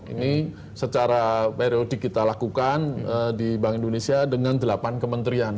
ini secara periodik kita lakukan di bank indonesia dengan delapan kementerian